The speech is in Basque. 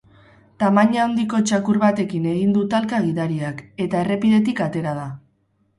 Tamaina handiko txakur batekin egin du talka gidariak, eta errepidetik atera da.